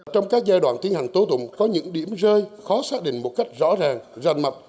trong các giai đoạn tiến hành tố tụng có những điểm rơi khó xác định một cách rõ ràng ràn mặt